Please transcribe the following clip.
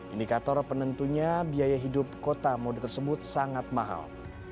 indikator penentunya biaya hidup kota mode tersebut sangat mahal